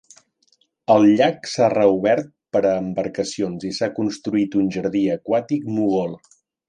El llac s'ha reobert per a embarcacions i s"ha construït un jardí aquàtic mogol.